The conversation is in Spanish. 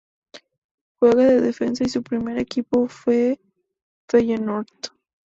Juega de defensa y su primer equipo fue Feyenoord.